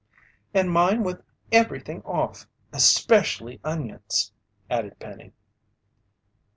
"And mine with everything off especially onions," added Penny.